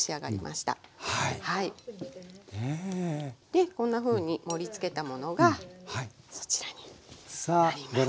でこんなふうに盛りつけたものがそちらになります。